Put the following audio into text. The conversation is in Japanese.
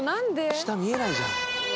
下見えないじゃん。